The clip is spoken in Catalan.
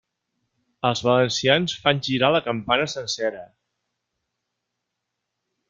Els valencians fan girar la campana sencera.